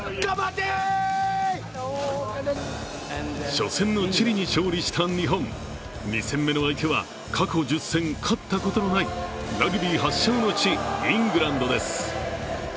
初戦のチリに勝利した日本２戦目の相手は過去１０戦、勝ったことのないラグビー発祥の地、イングランドです。